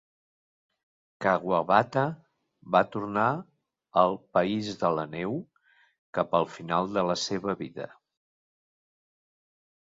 Kawabata va tornar al "País de la Neu" cap al final de la seva vida.